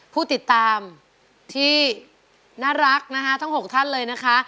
ผู้ติดตามที่น่ารักนะคะทั้ง๖ท่านเลยนะคะ